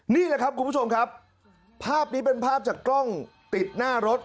นี่แหละครับคุณผู้ชมครับภาพนี้เป็นภาพจากกล้องติดหน้ารถ